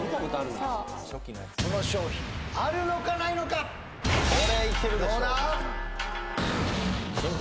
そうこの商品あるのかないのかこれいけるでしょどうだ？